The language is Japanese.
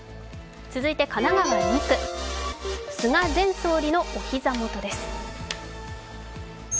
続いて神奈川２区、菅前総理のお膝元です。